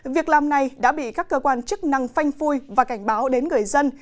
việc làm này đã bị các cơ quan chức năng phanh phui và cảnh báo đến người dân